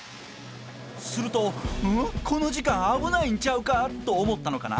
すると、ん、この時間危ないんちゃうかと思ったのかな。